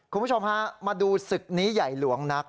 คุณผู้ชมฮะมาดูศึกนี้ใหญ่หลวงนัก